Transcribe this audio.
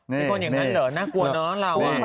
มีคนอย่างนั้นเหรอน่ากลัวน้องเรา